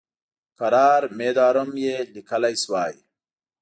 قرار میدارم یې لیکلی شوای.